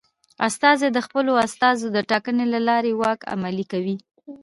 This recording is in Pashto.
استازي د خپلو استازو د ټاکنې له لارې واک عملي کوي.